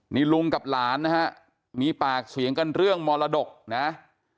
นี่ลุงกับหลานนะฮะมีปากเสียงกันเรื่องมรดกนะ